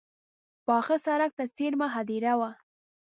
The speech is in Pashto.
پاخه سړک ته څېرمه هدیره وه.